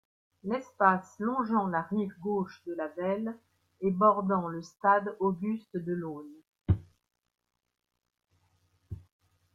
L'espace longeant la rive gauche de la Vesle et bordant le stade Auguste-Delaune.